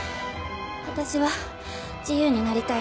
私は自由になりたいの。